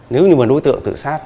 nếu như mà đối tượng tự sát